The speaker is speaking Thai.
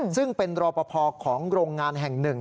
ซึ่งเป็นรอปภของโรงงานแห่งหนึ่ง